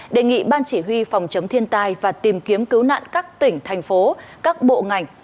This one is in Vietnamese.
đề nghị ban chỉ huy phòng chống thiên tai và tìm kiếm cứu nạn các tỉnh thành phố các bộ ngành